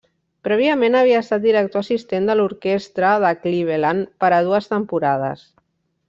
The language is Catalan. Prèviament havia estat Director Assistent de l'Orquestra de Cleveland per a dues temporades.